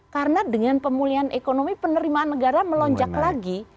karena dengan pemulihan ekonomi penerimaan negara melonjak lagi